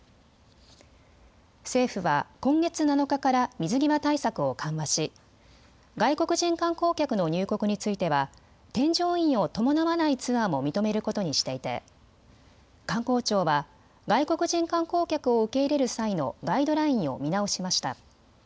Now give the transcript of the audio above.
政府は今月７日から水際対策を緩和し、外国人観光客の入国については添乗員を伴わないツアーも認めることにしていて観光庁は外国人観光客を受け入れる際のガイドラインを見直しました。